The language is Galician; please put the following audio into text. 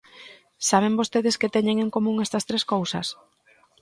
¿Saben vostedes que teñen en común estas tres cousas?